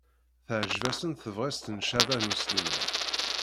Teɛjeb-asen tebɣest n Caɛban U Sliman.